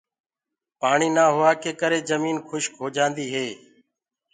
پآڻي نآ هوآ ڪي ڪري جميٚن کُشڪ هوجآندي هي۔